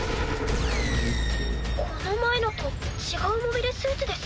この前のと違うモビルスーツです？